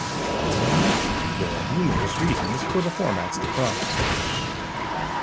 There are numerous reasons for the format's decline.